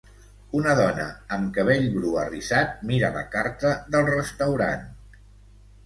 Una dona amb cabell bru arrissat mira la carta del restaurant.